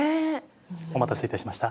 お待たせいたしました。